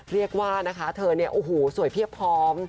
เรียกว่านะคะเธอเนี่ยโอ้โหสวยเพียบพร้อม